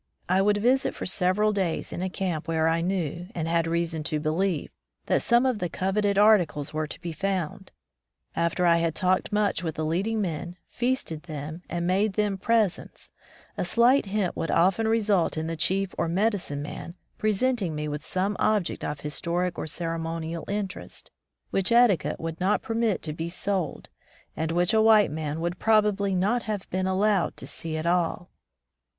I would visit for several days in a camp where I knew, or had reason to believe, that some of the coveted articles were to be found. After I had talked much with the leading men, feasted them, and made them pres ents, a slight hint would often result in the chief or medicine man "presenting" me with some object of historic or ceremonial interest, which etiquette would not permit to be 166 Back to the Woods "sold," and which a white man would prob ably not have been allowed to see at all.